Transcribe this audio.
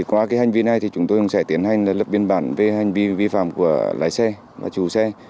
qua hành vi này chúng tôi sẽ tiến hành lập biên bản vi phạm của lái xe và chủ xe